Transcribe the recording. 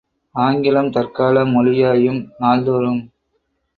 ஆங்கிலம் தற்கால மொழியாயும், நாள்தோறும்